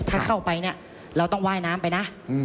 ถ้าเข้าไปเนี่ยเราต้องว่ายน้ำไปนะ